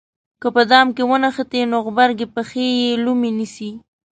که په دام کې ونښتې نو غبرګې پښې یې لومې نیسي.